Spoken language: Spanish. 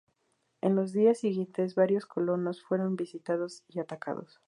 En los días siguientes, varios colonos fueron visitados y atacados.